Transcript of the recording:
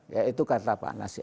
ya itu kata pak nasir